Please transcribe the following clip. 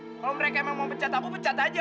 kalau mereka emang mau pecat aku pecat aja